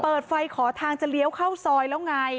เปิดไฟขอทางจะเลี้ยวเข้าซอยแล้วไง